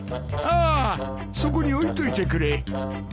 ああそこに置いといてくれ。